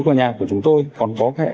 của nhà của chúng tôi còn có